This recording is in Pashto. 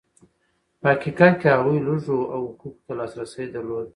په حقیقت کې هغوی لږو حقوقو ته لاسرسی درلود.